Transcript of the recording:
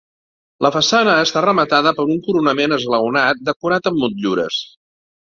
La façana està rematada per un coronament esglaonat decorat amb motllures.